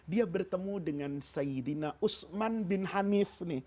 dia bertemu dengan sayyidina usman bin hanif